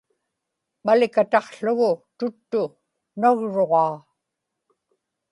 malikataqługu tuttu nagruġaa